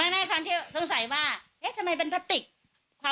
แต่ว่าอาจารย์ออสพูดว่า